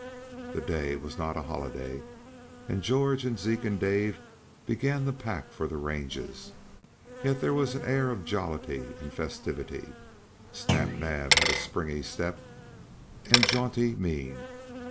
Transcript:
The day was not a holiday, and George and Zeke and Dave began to pack for the ranges, yet there was an air of jollity and festivity. Snap Naab had a springy step and jaunty mien.